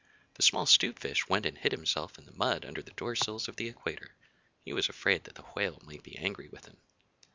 The small 'Stute Fish went and hid himself in the mud under the Door sills of the Equator. He was afraid that the Whale might be angry with him.